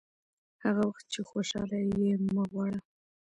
هغه وخت چې خوشاله یې مه غواړه.